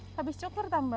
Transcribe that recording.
eh habis cukur tak mba